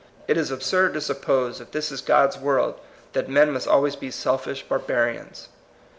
It is ab surd to suppose, if this is God's world, that men must always be selfish barba rians.